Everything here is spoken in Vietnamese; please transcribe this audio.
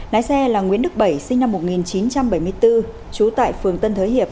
lái xe là nguyễn đức bảy sinh năm một nghìn chín trăm bảy mươi bốn trú tại phường tân thới hiệp